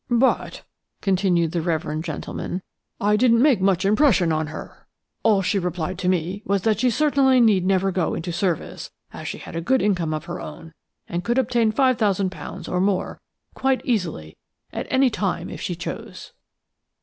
"But," continued the reverend gentleman, "I didn't make much impression on her. All she replied to me was that she certainly need never go into service, as she had a good income of her own, and could obtain £5,000 or more quite easily at any time if she chose."